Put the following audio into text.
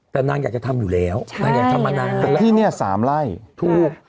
แต่นางอยากจะทำอยู่แล้วนางอยากทำมานานแต่ที่นี่๓ไร่ถูก